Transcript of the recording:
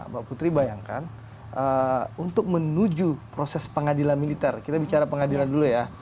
mbak putri bayangkan untuk menuju proses pengadilan militer kita bicara pengadilan dulu ya